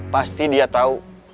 pasti dia tau